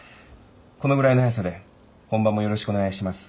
このぐらいの速さで本番もよろしくお願いします。